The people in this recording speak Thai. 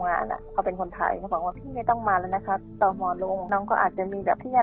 อืมพร้อมมันเป็นอะไรพร้อมมันเป็นอะไร